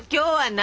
何？